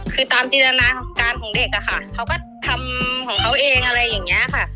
คือตามจินตนาของการของเด็กอะค่ะเขาก็ทำของเขาเองอะไรอย่างนี้ค่ะ